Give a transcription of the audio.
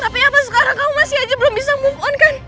tapi apa sekarang kamu masih aja belum bisa move on kan